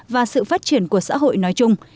và sự phát triển của xã hội nói chung